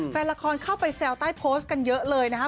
แฟนละครเข้าไปแซวใต้โพสต์กันเยอะเลยนะฮะ